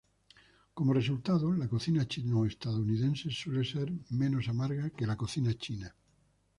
Como resultado, la cocina chino-estadounidense suele ser menos amarga que la cocina china.